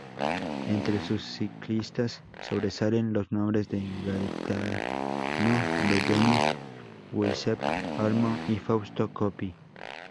Entre sus ciclistas, sobresalen los nombres de Gaetano Belloni, Giuseppe Olmo y Fausto Coppi.